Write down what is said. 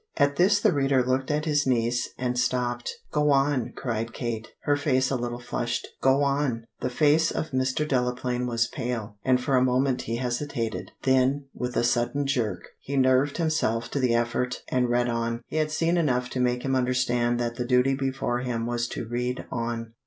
At this the reader looked at his niece and stopped. "Go on," cried Kate, her face a little flushed, "go on!" The face of Mr. Delaplaine was pale, and for a moment he hesitated, then, with a sudden jerk, he nerved himself to the effort and read on; he had seen enough to make him understand that the duty before him was to read on.